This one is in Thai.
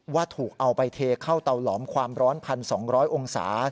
ว่าถูกเอาไปเทเข้าเตาหลอมความร้อน๑๒๐๐องศา